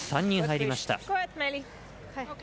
３に入りました。